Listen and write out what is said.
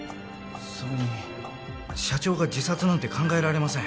それに社長が自殺なんて考えられません